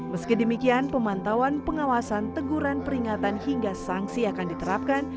meski demikian pemantauan pengawasan teguran peringatan hingga sanksi akan diterapkan